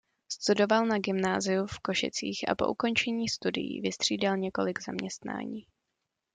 Studoval na gymnáziu v Košicích a po ukončení studií vystřídal několik zaměstnání.